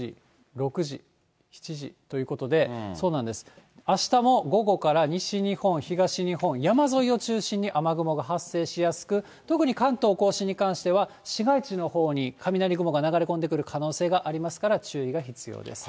４時、５時、６時、７時ということで、そうなんです、あしたも午後から西日本、東日本ー、山沿いを中心に雨雲が発生しやすく、特に関東甲信に関しては、市街地のほうに雷雲が流れ込んでくる可能性がありますから注意が必要です。